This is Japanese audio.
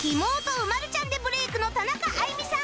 うまるちゃん』でブレークの田中あいみさん